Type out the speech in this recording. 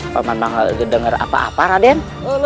paman mau ngedenger apa apa raden